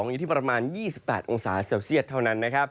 อยู่ที่ประมาณ๒๘องศาเซลเซียตเท่านั้น